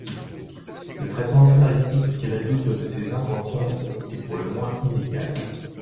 Le traitement scénaristique qui résulte de ces intentions est pour le moins inégal.